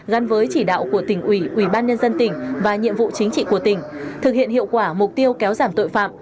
gắn với chỉ đạo của tỉnh ủy ủy ban nhân dân tỉnh và nhiệm vụ chính trị của tỉnh thực hiện hiệu quả mục tiêu kéo giảm tội phạm